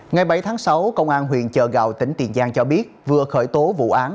ngày bảy tháng sáu công an huyện chợ gạo tỉnh tiền giang cho biết vừa khởi tố vụ án